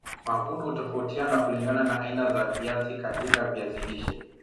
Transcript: mavuno hutofautiana kulingana na aina ya viazi katika viazi lishe